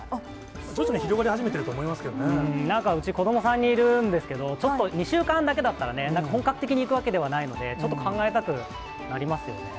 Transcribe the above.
徐々に広がり始めてると思いうち、子ども３人いるんですけど、ちょっと２週間だけだったらね、本格的に行くわけではないので、ちょっと考えたくなりますよね。